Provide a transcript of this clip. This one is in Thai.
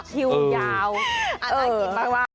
คิวยาวน่ากินมาก